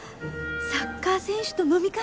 サッカー選手と飲み会だ！